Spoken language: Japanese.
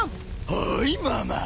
はいママ。